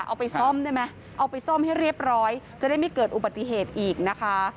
เอาไปซ่อมได้ไหมเอาไปซ่อมให้เรียบร้อยจะได้ไม่เกิดอุบัติเหตุอีกนะคะ